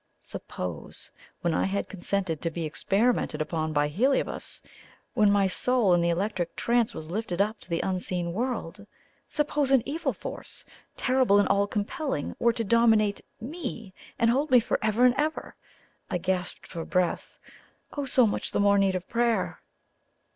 Suppose, when I had consented to be experimented upon by Heliobas when my soul in the electric trance was lifted up to the unseen world suppose an evil force, terrible and all compelling, were to dominate ME and hold me forever and ever! I gasped for breath! Oh, so much the more need of prayer!